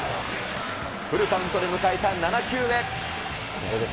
フルカウントで迎えた７球目。